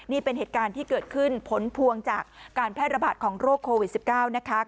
นี่เป็นเหตุการณ์ที่เกิดขึ้นผลพวงจากการแพร่ระบาดของโรคโควิด๑๙นะคะ